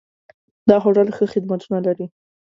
دا هوټل ښه خدمتونه لري.